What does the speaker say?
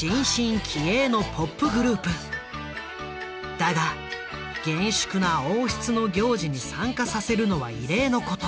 だが厳粛な王室の行事に参加させるのは異例のこと。